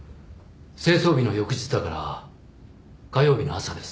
清掃日の翌日だから火曜日の朝です。